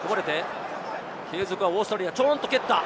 ボールがこぼれて継続はオーストラリア、ちょんと蹴った！